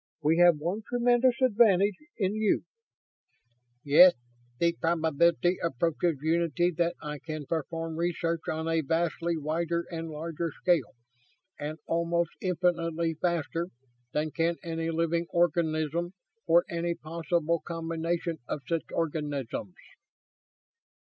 We have one tremendous advantage in you." "Yes. The probability approaches unity that I can perform research on a vastly wider and larger scale, and almost infinitely faster, than can any living organism or any possible combination of such organisms."